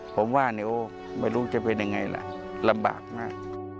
ผมว่าเดี๋ยวไม่รู้จะเป็นยังไงล่ะลำบากมาก